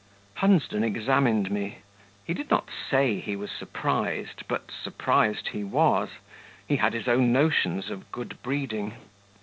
Hunsden examined me. He did not SAY he was surprised, but surprised he was; he had his own notions of good breeding.